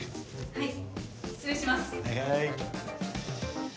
はい。